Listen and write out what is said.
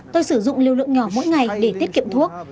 tôi sử dụng lưu lượng nhỏ mỗi ngày để tiết kiệm thuốc